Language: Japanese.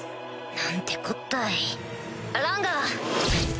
なんてこったいランガ。